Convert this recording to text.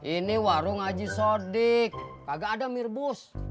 ini warung haji sodik kagak ada mie rebus